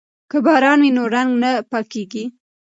که باران وي نو رنګ نه پاکیږي.